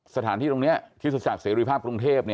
สถานที่ตรงนี้ที่สุดจากสถานที่ศักดิ์ภาพกรุงเทพฯ